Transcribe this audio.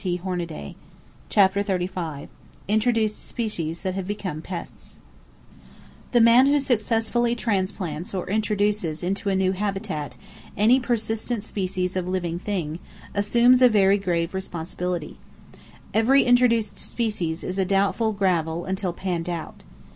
[Page 330] CHAPTER XXXV INTRODUCED SPECIES THAT HAVE BECOME PESTS The man who successfully transplants or "introduces" into a new habitat any persistent species of living thing, assumes a very grave responsibility. Every introduced species is doubtful gravel until panned out.